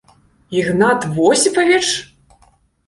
— Ігнат Восіпавіч?!